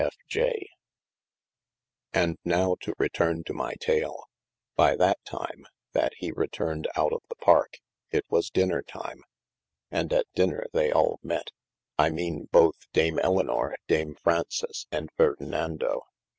F. J. ANd now to retume to my tale, by that time, that hee X~V returned out of the parke, it was dinner time, and at dynner they all met, I meane both dame Elynor, dame Fraunces & Ferdenando.